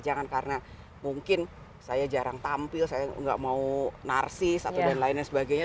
jangan karena mungkin saya jarang tampil saya nggak mau narsis atau dan lain lain sebagainya